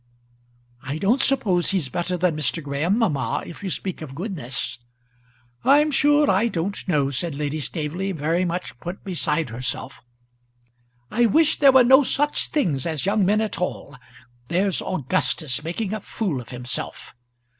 "I don't suppose he's better than Mr. Graham, mamma, if you speak of goodness." "I'm sure I don't know," said Lady Staveley, very much put beside herself. "I wish there were no such things as young men at all. There's Augustus making a fool of himself."